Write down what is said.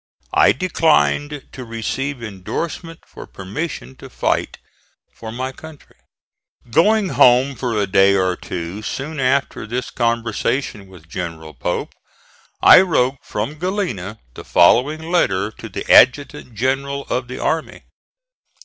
I declined to receive endorsement for permission to fight for my country. Going home for a day or two soon after this conversation with General Pope, I wrote from Galena the following letter to the Adjutant General of the Army.